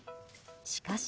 しかし。